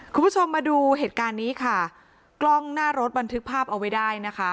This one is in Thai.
คุณผู้ชมมาดูเหตุการณ์นี้ค่ะกล้องหน้ารถบันทึกภาพเอาไว้ได้นะคะ